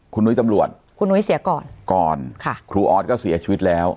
คุณนุ้ยตำรวจคุณนุ้ยเสียก่อนก่อนค่ะครูออสก็เสียชีวิตแล้ว